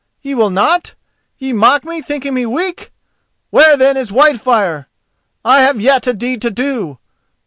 Ye will not? Ye mock me, thinking me weak! Where, then, is Whitefire?—I have yet a deed to do!